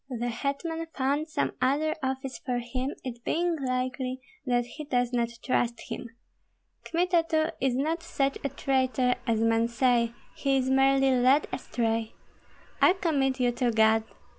The hetman found some other office for him; it being likely that he does not trust him. Kmita too is not such a traitor as men say; he is merely led astray. I commit you to God.